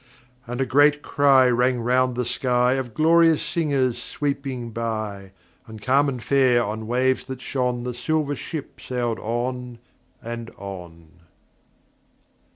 And a great cry rang round the sky Of glorious singers sweeping by, And calm and fair on waves that shone The Silver Ship sailed on and on.